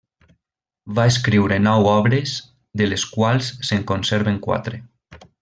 Va escriure nou obres de les quals se'n conserven quatre.